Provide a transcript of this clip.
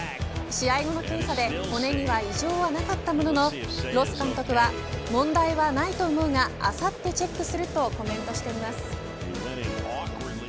試合後の検査で骨には異常はなかったもののロス監督は問題はないと思うがあさってチェックするとコメントしています。